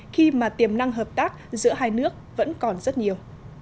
khi mà tiềm năng hợp tác giữa hai nước vẫn còn rất nhiều